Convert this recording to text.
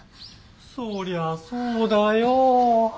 そりゃそうだよ。